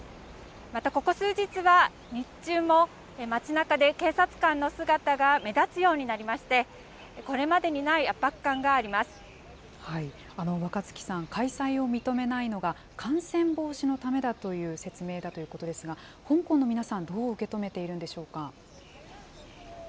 またここ数日は、日中も街なかで警察官の姿が目立つようになりまして、若槻さん、開催を認めないのは感染防止のためだという説明だということですが、香港の皆さん、どう受け止めているんでしょうか。